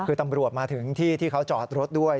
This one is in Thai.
คือตำรวจมาถึงที่ที่เขาจอดรถด้วย